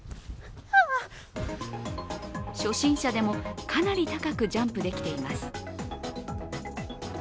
初心者でもかなり高くジャンプできています。